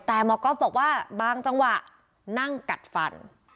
แต่หมอก๊อฟบอกว่าบางจังหวะนั่งกัดฟัน